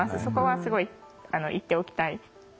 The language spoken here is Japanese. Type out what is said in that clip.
そこはすごい言っておきたい。